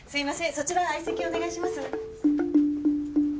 そちら相席お願いします。